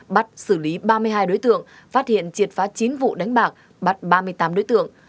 bắt xử lý ba mươi hai đối tượng phát hiện triệt phá chín vụ đánh bạc bắt ba mươi tám đối tượng